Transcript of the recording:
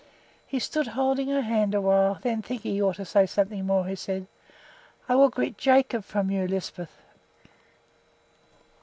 He stood holding her hand awhile; then, thinking he ought to say something more, he added, "I will greet Jacob from you, Lisbeth."